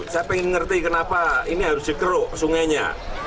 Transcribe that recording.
saya ingin ngerti kenapa ini harus dikeruk sungainya